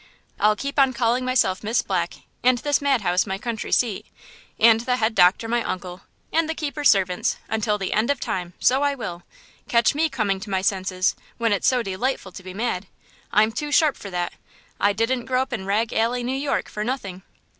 I'll keep on calling myself Miss Black, and this madhouse my country seat, and the head doctor my uncle, and the keepers servants, until the end of time, so I will. Catch me coming to my senses, when it's so delightful to be mad. I'm too sharp for that. I didn't grow up in Rag Alley, New York, for nothing."